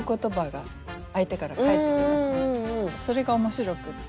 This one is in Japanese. それが面白くって。